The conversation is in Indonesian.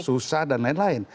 susah dan lain lain